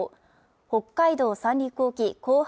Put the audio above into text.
北海道三陸沖後発